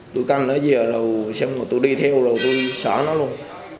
tôi canh nó dìa rồi xong rồi tôi đi theo rồi tôi xóa nó luôn